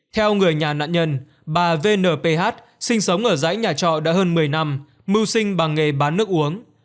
theo người nhà nạn nhân bà vnp sinh sống ở dãy nhà trọ đã hơn một mươi năm mưu sinh bằng nghề bán nước uống